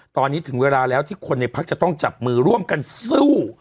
ตอนนี้ถึงเวลาแล้วที่คนในพักจะต้องจับมือร่วมกันสู้